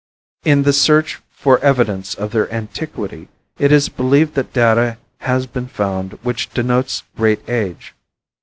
In the search for evidence of their antiquity it is believed that data has been found which denotes great age.